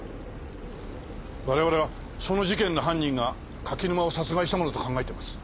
我々はその事件の犯人が柿沼を殺害したのだと考えています。